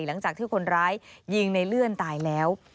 หลังจากที่คนร้ายยิงในเลื่อนตายแล้ว